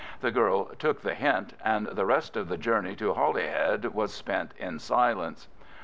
The girl took the hint, and the rest of the journey to Holyhead was spent in silence.